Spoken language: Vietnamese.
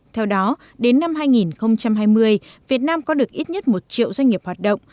theo đó đến năm hai nghìn hai mươi việt nam có được ít nhất một triệu doanh nghiệp hoạt động